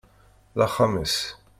D axxam-is.